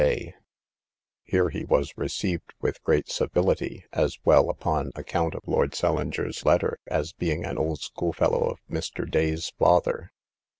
Here he was received with great civility, as well upon account of Lord St. Leger's letter, as being an old school fellow of Mr. Day's father.